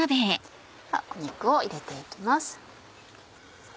肉を入れて行きます。